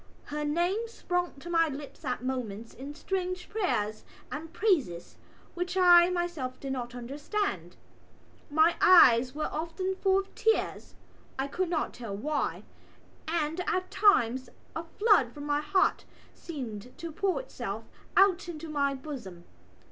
Her name sprang to my lips at moments in strange prayers and praises which I myself did not understand. My eyes were often full of tears (I could not tell why) and at times a flood from my heart seemed to pour itself out into my bosom.